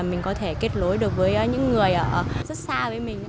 mình có thể kết nối được với những người rất xa với mình